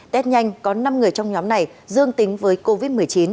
test nhanh có năm người trong nhóm này dương tính với covid một mươi chín